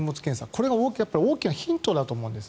これが大きなヒントだと思うんです。